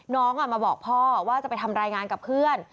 น้องมาบอกพ่อว่าจะไปทำรายงานกับเพื่อน